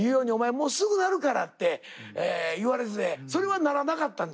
もうすぐなるから」って言われててそれはならなかったんですよ。